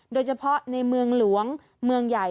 โดยเฉพาะในเมืองหลวงเมืองใหญ่